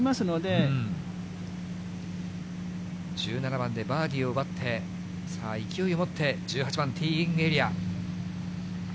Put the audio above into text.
１７番でバーディーを奪って、勢いを持って１８番ティーイングエリア。